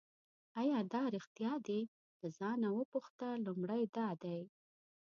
آیا دا ریښتیا دي له ځانه وپوښته لومړی دا دی.